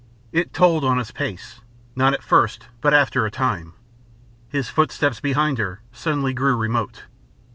It told on his pace not at first, but after a time. His footsteps behind her suddenly grew remote.